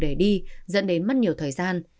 để đi dẫn đến mất nhiều thời gian